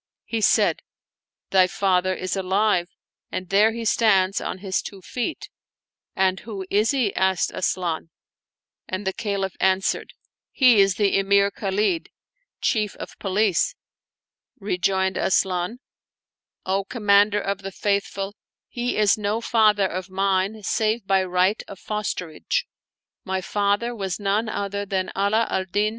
He said, "Thy father is alive and there he stands on his two feet." " And who is he ?" asked Asian ; and the Caliph answered, " He is the Emir Khalid, Chief Calamity Ahmad and Hahzalam Bazazah of Police." Rejoined Asian, " O Commander of the Faith ful, he is no father of mine, save by right of fosterage ; my father was none other than Ala al Din.